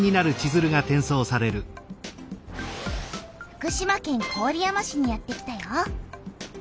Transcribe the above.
福島県郡山市にやってきたよ。